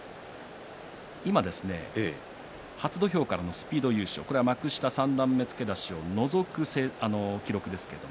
今、初土俵からのスピード優勝幕下三段目付け出しを除く記録です。